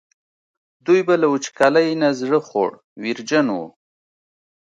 دوی به له وچکالۍ نه زړه خوړ ویرجن وو.